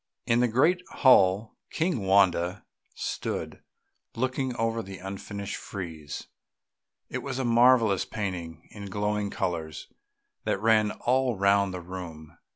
In the great hall King Wanda stood, looking on the unfinished frieze; it was a marvellous painting in glowing colours that ran all round the room.